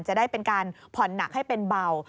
จะได้เป็นการผ่อนหนักให้เป็นเบา